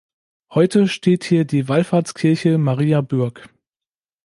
Heute steht hier die Wallfahrtskirche Maria Bürg.